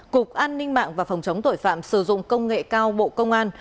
cục an ninh mạng và phòng chống tội phạm sử dụng công nghệ cao bộ công an